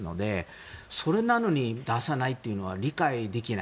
それなのに出さないのは理解できない。